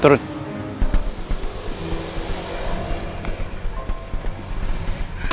turun dari mobil saya